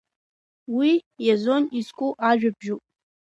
Уи Иазон изку ажәабжьуп.